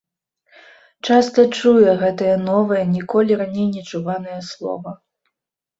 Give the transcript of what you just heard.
Часта чуе гэтае новае, ніколі раней нечуванае слова.